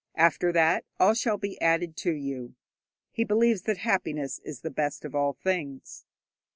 After that, all shall be added to you. He believes that happiness is the best of all things.